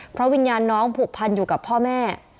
เพราะวิญญาณน้องผูกพันอยู่กับพ่อแม่